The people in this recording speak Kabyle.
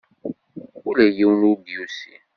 Ula yiwen ur d-yusi.